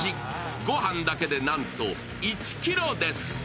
ごはんだけで、なんと１ｋｇです。